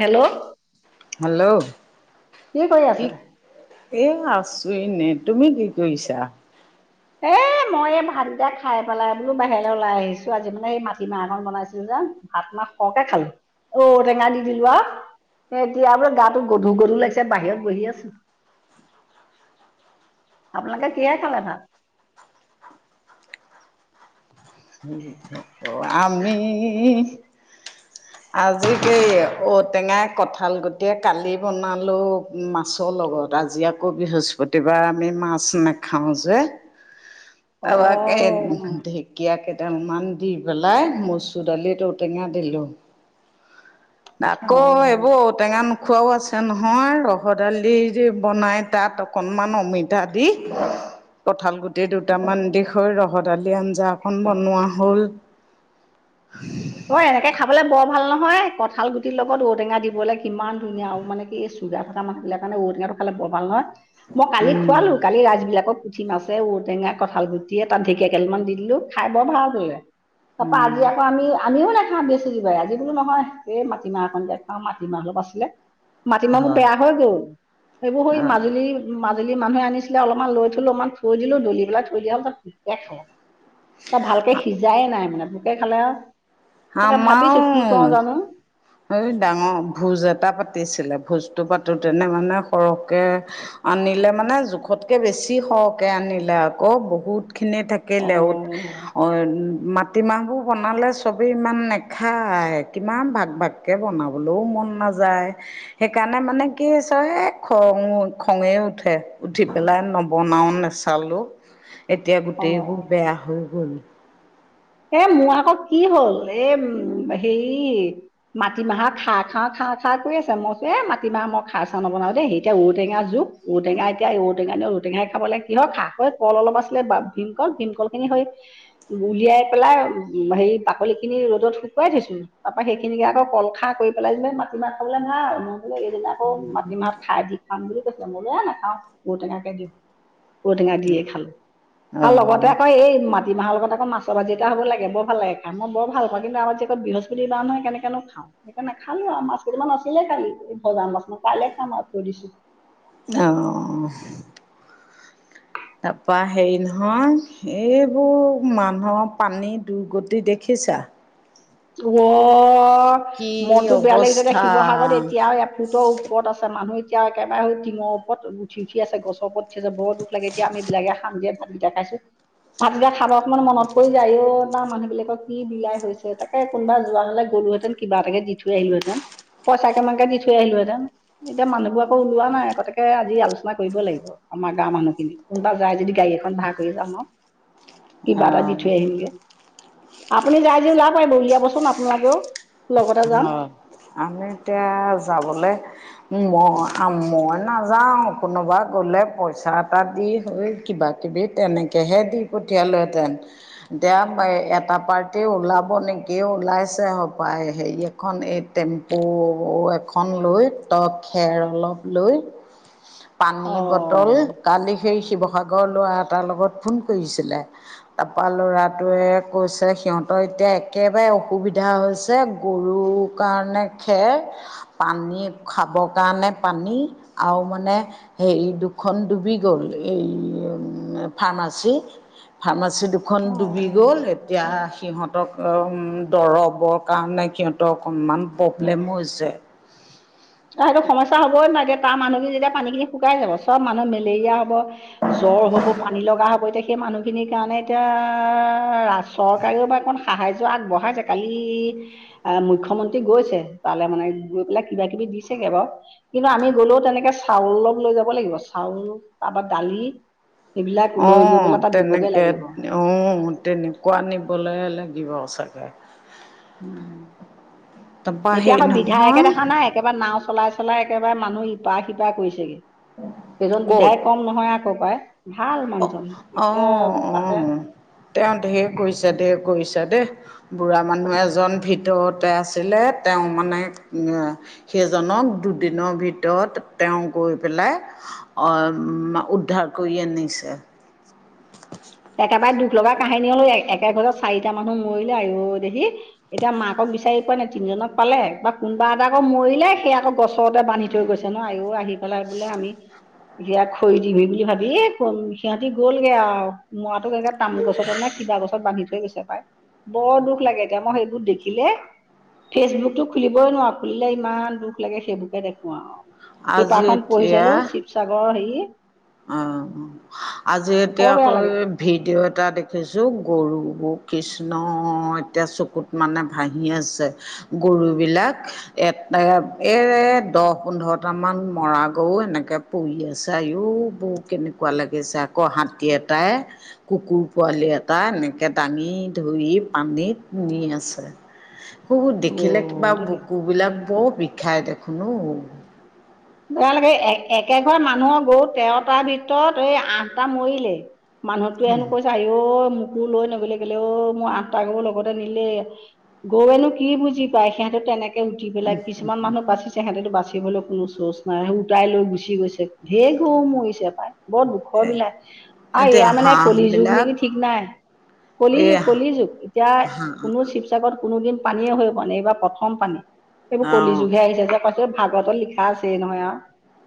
Hello. Hello. কৰি কি আছে? এ, আছো এনেই। তুমি কি কৰিছা? এয় মই এই ভাত কিতা খাই পেলাই বোলো, বাহিৰলৈ ওলাই আহিছো। আজি মানে এই মাটিমাহ খন বনাইছিলো যেন। ভাত মাহ সৰকে খালি? ঔ' টেঙা দি দিলো আৰু। এ' এতিয়া বোলো গাটো গধুৰ- গধুৰ লাগিছে, বাহিৰত বহি আছো। আপোনালোকে কিহে খালে ভাত? উম। অ', আমি আজি সেই ঔ' টেঙাই, কঁঠাল গুটিয়েই কালি বনালোঁ। মাছৰ লগত, আজি আকৌ বৃহস্পতিবাৰ আমি মাছ নাখাওঁ যে। অ তাৰ পৰা এই ঢেকীয়া কেইটা মান দি পেলাই মচুৰ দালিটো ঔ' টেঙা দিলোঁ। অ আকৌ এইবোৰ ঔ' টেঙা খোৱাও আছে নহয়, ৰহ দালি বনাই তাত অকণমান অমিতা দি কঁঠাল গুটি দুটামান দি সৈ ৰহদালি আঞ্জা অকন বনোৱা হ'ল। [inaudible] অ', এনেকে খাবলে বৰ ভাল নহয়, কঁঠাল গুটিৰ লগত ঔটেঙা দিবলে কিমান ধুনীয়া মানে কি চুগাৰ থকা মানুহ বিলাকৰ কাৰণে ঔ' টেঙাটো খালে বৰ ভাল নহয়। মই কালি উম, খুৱালো কালি ৰাইজবিলাকক পুঠি মাছে ঔ' টেঙা, কঠাল গুটিয়ে তাত ঢেকীয়া কেইদালমান দি দিলো, খাই বৰ ভাল পালে। তাৰাপৰা উম, আজি আকৌ আমি আমিও নাখাওঁ বৃহস্পতিবাৰে আজি বোলো নহয়, এই মাটিমাহ অকনকে খাওঁ মাটিমাহ অলপ আছিলে। মাটিমাহবোৰ হয়, বেয়া হৈ গ'ল, সেইবোৰ সৈ অ'। মাজুলীৰ মাজুলী মানুহে আনিছিলে অলপমান লৈ থলো, অকমান থৈ দিলো দলি পেলাই থৈ দিয়া পিছত এক ত' ভালকে সিজাই নাই মানে, পোকে খালে আৰু। তাকে ভাবিছো কি কওঁ জানো আমাওঁ। এই ডাঙৰ ভোজ এটা পাতিছিলে, ভোজটো পাতোঁতেনে মানে সৰহকে আনিলে মানে জোখতকে বেছি সৰহকে আনিলে আকৌ। বহুত খিনে থাকিলেও, অঁ মাটিমাহবোৰ বনালে চবেই ইমান নাখায়, কিমান ভাগ ভাগকৈ বনাবলৈও মন নাযায়। সেইকাৰণে মানে কি হৈছে এ' খং খঙে উঠে উঠি পেলাই নবনাওঁ নে চালোঁ এতিয়া অঁ গোটেইবোৰ অঁ বেয়া হৈ গ'ল। এ' মোৰ আকৌ কি হ'ল এ' উম হেৰি মাটিমাহৰ খাৰ খাওঁ খাৰ খাওঁ কৰি আছে, মই কৈছো এ' মাটিমাহ মই খাৰ চা নবনাও দেই, এতিয়া ঔ' টেঙা যুগ। ঔ' টেঙ এতিয়া ঔ' টেঙা দিনত ঔ' টেঙাই খাব লাগে, কিহৰ খাৰ কল অলপ আছিলে বা ভীমকল ভীমকল খিনি হৈ উলিয়াই পেলাই হেৰি বাকলি খিনি ৰ'দত শুকুৱাই থৈছো। তাৰ পৰা সেইখিনিকে আকৌ কল খাৰ কৰি পেলাই যেনিবা মাটিমাহ খাবলৈ নাই আৰু। এদিন আকৌ মাটিমাহ খাৰ দি খাম বুলি কৈছে। মই বোলো নাখাও ঔ' টৈঙাকে দিম। ঔ' টেঙা দিয়ে খালো। আৰু লগতে আকৌ এই মাটিমাহৰ লগত আকৌ মাছ হ'ব লাগে বৰ ভাল লাগে খাই মই বৰ ভাল পাওঁ, আমাৰ যেকত বৃহস্পতিবাৰ নহয় কেনেকৈনো খাওঁ। সেইকাৰণে নাখালোঁ আৰু মাছ কেইটামান আছিলে কালিৰ, এই ভজাৰ মাছ কাইলে খাম আৰু থৈ দিছোঁ। অ',। তাৰপৰা হেৰি নহয়, এইবোৰ মানুহৰ পানী দুৰ্গতি দেখিছা? অ', কি মনটো বেয়া লাগিছে দে অৱস্থা শিৱসাগৰত এতিয়াওঁ এক ফুটৰ উ' ওপৰত আছে মানুহ এতিয়া একেবাৰে টিংৰ ওপৰত উঠি উঠি আছে, গছৰ ওপৰত উঠি আছে। বৰ দুখ লাগে এতিয়া আমি বিলাকে শান্তিৰে ভাতকেইটা খাইছো। [inaudible] ভাতকেইটা খাব সময়ত মনত পৰি যায় অ' তাৰ মানুহ বিলাকৰ কি বিলাই হৈছে। তাক হে, কোনোবা যোৱা হ'লে গ'লোঁহেঁতেন, কিবা এটাকে দি থৈ আহিলোঁহেঁতেন, পইচা কেইটামানকে দি থৈ আহিলোঁহেঁতেন। এতিয়া মানুহবোৰ আকৌ ওলোৱা নাই, আকৌ তাকে আজি আলোচনা কৰিব লাগিব। আমাৰ গাঁৱৰ মানুহখিনি কোনোবা যায় যদি, গাড়ী এখন ভাড়া কৰি যাম আৰু। কিবা এটা দি অ' থৈ আহিমগে, আপুনি যায় যদি ওলাওক। উলিয়াবচোন, আপোনালোকেও। লগতে যাম অ, আমি এতিয়া যাবলে। মই মই নাযাওঁ, কোনোবা গলে পইচা এটা দি হৈ কিবা। কিবা তেনেকেহে দি পঠিয়ালোহেঁতেন। [inaudible] এটা পাৰ্টি ওলাব নেকি, ওলাইছে হ'পায়। হেৰি, এখন এই টেম্পু এখন লৈ টপ খেৰ অলপ লৈ। পানী বটল। অ' কালি সেই শিৱসাগৰৰ ল'ৰা এটাৰ লগত ফোন কৰিছিলে। তাৰপা ল'ৰাটোৱে কৈছে, সিহঁতৰ এতিয়া একেবাৰে অসুবিধা হৈছে। গৰুৰ কাৰণে খেৰ। পানী খাব কাৰণে পানী আৰু মানে। হেৰি, দুখন ডুবি গ'ল এই ফাৰ্মাচী। ফাৰ্মাচী দুখন ডুবি গ'ল! অ' এতিয়া, সিহঁতক উম, দৰবৰ কাৰণে। কিন্তু অকণমান প্ৰব্লেমো হৈছে। [inaudible] সেইটো সমস্যা হ'বই চাগে, মানুহখিনি যেতিয়া পানীখিনি শুকাই যাব, চব মানুহ মেলেৰিয়া হ'ব। জ্বৰ হ'ব, পানী লগা হ'ব! এতিয়া। এই মানুহখিনিৰ কাৰণে এতিয়া চৰকাৰেও বা অকণ সাহায্য আগবঢ়াইছে কালি আহ, মুখ্যমন্ত্ৰী গৈছে তালৈ, মানে গৈ পেলাই কিবা কিবি দিছেগে বাৰু। কিন্তু আমি গ'লেও তেনেকৈ চাউল অলপ লৈ যাব লাগিব! চাউল, তাৰপৰা দালি। সেইবিলাক লৈ গৈ অ', পেলাই তাত দিবগে তেনেকে লাগিব। অ', তেনেকুৱা নিবলৈ লাগিব চাগৈ? এতিয়া হেৰি আকৌ বিধায়কে নহয় দেখা নাই? একেবাৰে নাও চলাই চলাই একেবাৰে মানুহ ইপা-সিপা কৰিছেগে! এইজন ক'ত? বিধায়ক কম নহয় আঁ। কৰ পায় ভাল মানুহ যি। অ', অ', তেওঁ ঢেৰ কৰিছে, ঢেৰ কৰিছে দেই। বুঢ়া মানুহ এজন ভিতৰতে আছিলে! তেওঁ মানে। সেইজনক দুদিনৰ ভিতৰতে তেওঁ গৈ পেলাই। অ', মা উদ্ধাৰ কৰি আনিছে? একেবাৰে দুখ লগা কাহিনী ঐ, একেটা ঘৰতে চাৰিটা মানুহ মৰিলে, আয় দেহি। এতিয়া মাকক বিচাৰি পোৱা নাই, তিনিজনক পালে বা, কোনোবা এটা আকৌ মৰিলে, সেই আকৌ গছতে পানীত। থৈ গৈছে ন, আয়ও আহি পেলাই বোলে আমি। ইয়াক খৰি দিবি বুলি ভাবি, সিহঁতি গ'লগে আও। মৰাটোক একে তামো গছতে নে কিবা গছত বান্ধি থৈ গৈছে পায়। বৰ দুখ লাগে এতিয়া! মই সেইবোৰ দেখিলে। ফেচবুকটো খুলিবই নোৱাৰোঁ! খুলিলে ইমান দুখ লাগে, সেইবোৰেই দেখোঁ আও। আজি পেপাৰখন পঢ়ি চালো, এতিয়া শিৱসাগৰ হেৰি? অ', আজি বৰ এতিয়া বেয়া আকৌ। লাগে ভিডিঅ' এটা দেখিছোঁ, গৰুবোৰ কৃষ্ণ! এতিয়া চকুত। মানে, ভাহি আছে! গৰুবিলাক। এ এ, দহ-পোন্ধৰটামান মৰা গৰু এনেকে পৰি আছে, আয়ও। উম, কেনেকুৱা লাগিছে! আকৌ হাতী এটাই। কুকুৰ পোৱালি এটা, এনেকে দাঙি ধৰি পানীত নি আছে। বহুত দেখিলে কিবা গৰু দেই বুকু বিলাক বৰ বিষাই দেখোন অ'! বেয়া লাগে, এ-একে ঘৰ মানুহৰ গৰু তেৰটাৰ তিতৰত এ আঠটা মৰিলে। মানুহটোৱে হেনো কৈছা আইঔ মোকো লৈ নগ'লি কেলে অ', মোৰ আঠটা গৰু লগতে নিলে গৰুৱেনো কি বুজি পায়! সিহঁতে তেনেকে কে উঠি পেলাই কিছুমান মানুহ বাচিছে, সিহঁতেটো বাচিবলৈ কোনো চোচ নাই, উটাই লৈ গুচি গৈছে। ঢেৰ গৰু মৰিছে পাই। বৰ এ দুখৰ বিলাই আৰু এতিয়া এয়া মানে কলি যুগ হাঁহবিলাক নেকি ঠিক নাই! কলি এই যুগ! কলি যুগ! এতিয়া কোনো চি শিৱসাগৰত কোনো দিন পানীয়ে হৈ পোৱা নাই, এইবাৰ প্ৰথম পানী, সেইবোৰ কলি যুগ অ'। আহিছে যেন পাইছোঁ। এ ভাগৱত লিখা আছে নহয় এয়া!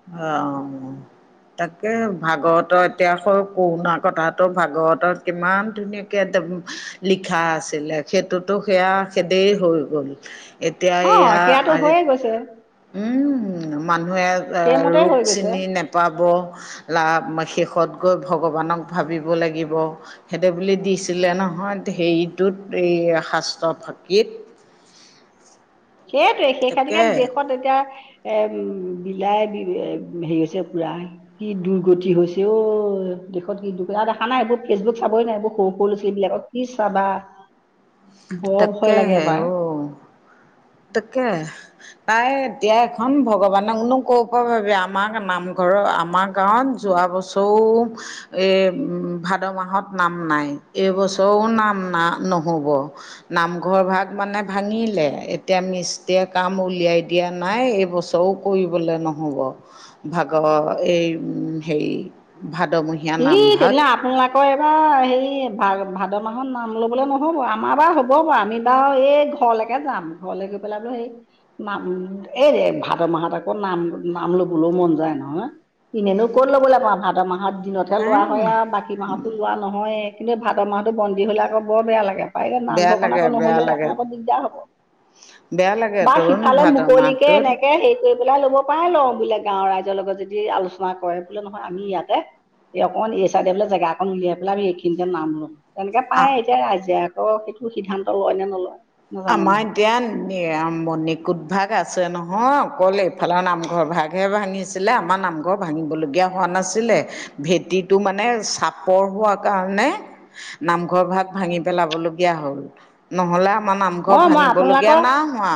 অ', অ'। তাকে ভাগৱত এতিয়া সৰু কৰুণা কথাটো ভাগৱতত কিমান ধুনীয়াকৈ একদম লিখা আছিলে! সেইটোতো সেয়া খেদেই হৈ গ'ল? এতিয়া এইয়া আজি কৈছে? উম, মানুহে এ সেইমতে ৰোগ হৈ গৈছে চিনি নাপাব! লাভ, শেষত গৈ ভগৱানক ভাবিব লাগিব! সিহঁতে বুলি দিছিলে নহয়, হেৰিটোত এই শাস্ত্ৰ ফাঁকিত! সেইটোৱে, সেইখিনিকে তাকে, দেশত এতিয়া এ বিলাই দি এ, হেৰি হৈছে পোৰা। কি দুৰ্গতি হৈছে অ', দেশত কি দুৰ্গতি। আৰু দেখা নাই এইবোৰ ফেচবুক চাবই নোৱাৰি এইবোৰ সৰু, সৰু ল'ৰা-ছোৱালীবিলাকৰ কি চাবা। বৰ ভয় তাকে লাগে হে পাই অঔ, তাকে। তাই এতিয়া এখন ভগৱানক নো, ক'ৰ পৰা পাবি আমাৰ, নামঘৰৰ আমাৰ গাঁৱত যোৱা বছৰো এ, ভাদ মাহত নাম নাই, এইবছৰো নাম না, নহ'ব। নামঘৰ ভাগ মানে ভাঙিলে, এতিয়া মিস্ত্ৰীয়ে কাম উলিয়াই দিয়া নাই, এই বছৰো কৰিবলৈ নহ'ব। ভাগ এই হেৰি ভাদমহিয়া ই তেতিয়াহ'লে আপোনালোকে অ' এইবাৰ হেৰি ভা-ভাদ মাহত নাম ল'বলৈ নহ'ব, আমাৰ বাৰু হ'ব বাৰু, আমি বাৰু এই ঘৰলেকে কে যাম ঘৰলৈ গৈ পেলাই বুলো সেই নাম, এই ভাদ মাহত আকৌ নাম, নাম ল'বলৈও মন যায় নহয়। এনেনো কত ল'বলৈ পাওঁ, ভাদৰ মাহৰ দিনত তেনেকে হে লোৱা হয় আৰু বাকী মাহতো লোৱা নহয়েই, কিন্তু ভাদ মাহটো বন্দী হ'লে আকৌ বৰ বেয়া লাগে। পাৰে বেয়া নামঘৰকণ লাগে আকৌ বেয়া নহ'লে, লাগে আকৌ অকণ দিগদাৰ হ'ব। বেয়া লাগে বা তোন সিফালে ভাদ মুকলিকে মাহটোত এনেকে, সেই কৈ পেলাই ল'ব পাৰে, লওঁ বোলে গাঁৱৰ ৰাইজৰ লগত যদি আলোচনা কৰে বোলে নহয়, আমি ইয়াতে এই অকন এই চাইডে বোলে জেগা অকন উলিয়াই পেলাই, আমি এইখিনতে নাম ৰো, তেনেকে আ পায়ে এতিয়া ৰাইজে অ' সেইটো সিদ্ধান্ত লয় নে নলয়। নাজানো আমাৰ নহয় এতিয়া এয়া মণিকুট ভাগ আছে নহয়, অকল এইফালৰ নামঘৰ ভাগহে ভাঙিছি ছিলে আমাৰ নামঘৰ ভাঙিবলগীয়া হোৱা নাছিলে। ভেটিটো মানে চাপৰ হোৱাৰ কাৰণে নামঘৰ ভাগ ভাঙি পেলাব লগগীয়া হ'ল, নহ'লে আমা অ নামঘৰ মই ভাঙিবলগীয়া আপোনালোকৰ নাই হোৱা।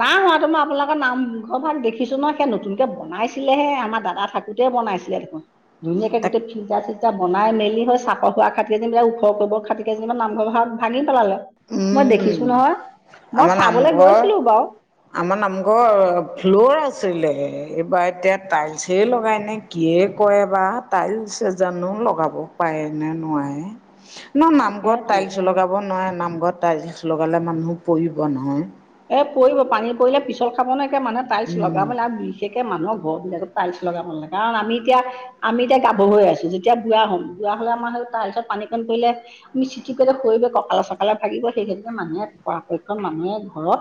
নাই হোৱাতো মই আপোনালোকৰ নামঘৰ ভাগ দেখিছো নহয় সেই নতুনকে বনাইছিলেহে আমাৰ দাদা থাকোত- তে বনাইছিলে দেখোন, ধুনীয়াকে তাক গোটেই ফিল্টাৰ ছি- এয়া বনাই মেলি হে চাপৰ খোৱা খাটি জেনীবাক ওখৰ কৰিব খাটি কেইজনীমান নামঘৰ ভাগ- ভাঙি পেলালে। মই দেখিছো উম নহয় মই আমাৰ চাবলৈ নামঘৰ গৈছিলো বাৰু। আমাৰ নামঘৰ ফ্ল'ৰ আছিলে, এইবাৰ এতিয়া টাইলছেই লগায়নে- কিয়ে কৰে বা? তাইয়েলচ জানো লগাব পাৰে নে নোৱাৰে। ন নামঘৰত তাকেতো টাইলছ লগাব নোৱাৰে নামঘৰত টাইলছ লগালে মানুহ পৰিব নহয়। এ পৰিব পানী পৰিলে পিছল খাব নহয়, একে মানুহে টাইলছ উম লগাব লা- বিশেষ কে মানুহৰ ঘৰ বিলাকত টাইলছ লগাব নালাগে, কাৰণ আমি এতিয়া- আমি এতিয়া গাভৰু হৈ আছো, যেতিয়া বুৱা হম বুৱা হলে আমাৰ সেই তাইয়েলছত পানীঅকণ পৰিলে- আমি চিতিপ কৰিলে ককালে চকালে ভাঙিব, সেইসেতোকে মানুহে পৰাপক্ষত মানুহে- ঘৰত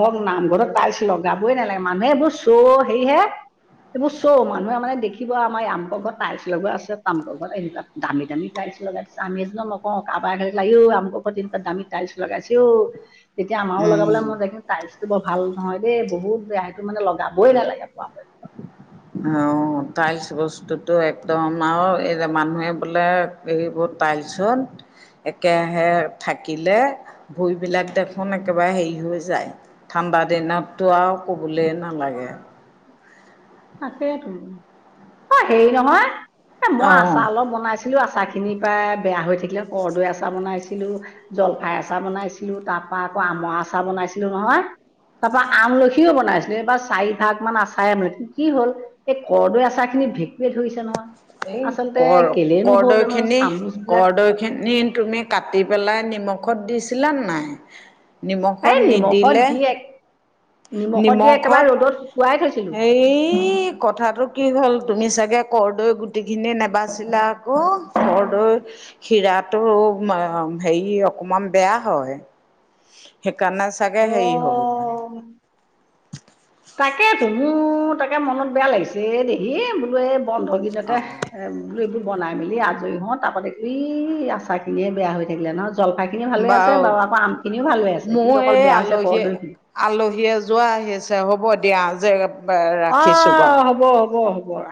হওক নামঘৰত টাইয়েলছ লগাবই নালাগে মানুহে এইবোৰ চ'ও অ হেয়িহে। এইবোৰ চ' মানুহে মানে দেখিব আমাৰ আমোকৰ ঘৰত টাইলছ লগোৱা আছে তামোকৰ ঘৰত এই বিলাক- দামী দামী টাইলছ লগাইছে, আমিয়ে জানো নকওঁ কাৰোবাৰ হেৰি ঘৰত আমোকৰ দামী টাইলছ লগাইছেও। তেতিয়া আমাৰো লগাবলে উম মন যায়, কিন্তু টাইলছটো বৰ ভাল নহয় দেই বহুত বেয়া সেইটো মানে লগাবই নালাগে পৱা পক্ষত। [inaudible] অঁ' তাইলছ বস্তুতো একদম আও এই যে মানুহে বোলে- এইবোৰত টাইলচত- একেৰাহে থাকিলে ভইবিলাক দেখোন একেবাৰে হেৰি হৈ যায়। ঠাণ্ডা দিনতো আৰু কবলেই নালাগে। তাকেই তো, অ' হেৰি নহয়- এই মই অ' আচাৰ অলপ বনাইছিলোঁ আচাৰখিনিৰ পায় বেয়া হৈ থাকিলে কৰদৈ আচাৰ বনাইছিলোঁ- জলফাই আচাৰ বনাইছিলো তাপা আকৌ আমৰ আচাৰ বনাইছিলো নহয়। তাপা আমলখিও বনাইছিলো। এইবাৰ- চাৰি ভাগ মান আচাৰে বনাইছিলো, কি হল এই কৰৰ্দৈ আচাৰ খিনি ভেঁকুৱে ধৰিছে নহয়। এই আচলতে কৰ কেলেনো হ'ল কৰৰ্দৈ জানো খিনি চামুচ বিলাক কৰদৈ খিনি তুমি- কাটি পেলাই নিমখত দিছিলা নে নাই? এই নিমখত নিমখত নিদিলে- দি এক দি একেবাৰে নিমখত ৰ'দত শুকুৱাই থৈছিলো এই- কথাটো কি হ'ল, তুমি চাগে কৰদৈ গুটিখিনি নাবাচছিলা আকৌ। কৰ দৈ শীৰাটো হেৰি অকমান বেয়া হয়। সেইকাণে চাগে অ হেই হ'ল। তাকে তো মোৰ তাকে মনত বেয়া লাগিছে এ দেহি বোলো এই বন্ধ অ গিদিনতে- বোলো এইবোৰ বনাই মেলি আজৰি হওঁ তাপা দেখিলো ই আচাৰখিনিয়ে বেয়া হৈ থাকিলে নহয়, জলফাই- খিনি ভালে আছে বাৰু আকৌ আম খিনিও ভাল হৈ আছে, মোৰ কিন্তু অকল এই বেয়া হৈছে আলহী কৰদৈখিনি। আলহী এযোৱা আহিছে হ'ব দিয়া, যে- ৰাখিছোঁ বাৰু অঁ' হ'ব হ'ব হ'ব আ।